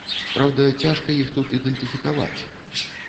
Праўда, цяжка іх тут ідэнтыфікаваць.